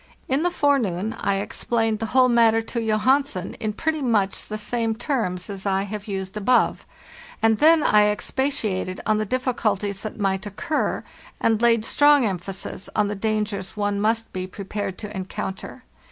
In the forenoon I explained the whole mat ter to Johansen in pretty much the same terms as I have used above; and then I expatiated on the difficulties that might occur, and laid strong emphasis on the dangers one must be prepared to encounter.